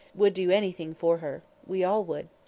would do anything for her. We all would."